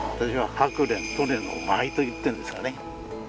ハクレン利根の舞と言ってるんですがね。